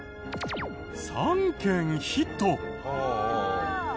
３件ヒット。